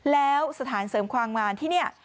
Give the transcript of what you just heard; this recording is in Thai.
แล้วสถานเสริมความงามที่นี่